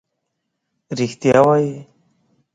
رښتیا وایې.